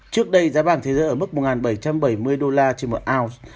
trước đây giá vàng thế giới ở mức một bảy trăm bảy mươi đô la trên một ounce